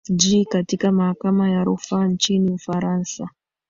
ji katika mahakama ya rufaa nchini ufarasa